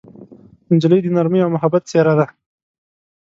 نجلۍ د نرمۍ او محبت څېره ده.